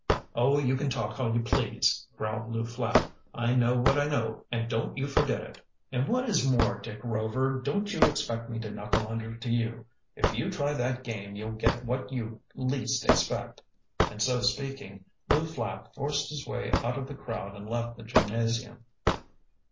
"Oh, you can talk all you please," growled Lew Flapp. "I know what I know, and don't you forget it. And what is more, Dick Rover, don't you expect me to knuckle under to you. If you try that game, you'll get what you least expect," and so speaking Lew Flapp forced his way out of the crowd and left the gymnasium.